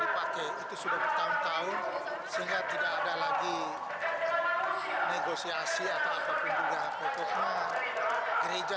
dipakai itu sudah bertahun tahun sehingga tidak ada lagi negosiasi atau apapun juga pokoknya gereja